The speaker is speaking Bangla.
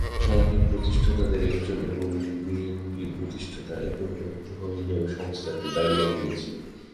সার্কের প্রতিষ্ঠাতাদের একজন এবং বিএনপির প্রতিষ্ঠাতা একই ব্যক্তি হলেও সংস্থাটি দাঁড়িয়ে গিয়েছিল।